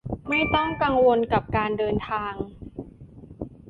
ไม่ต้องกังวลกับการเดินทาง